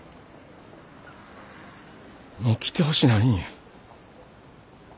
もう来てほしないんや。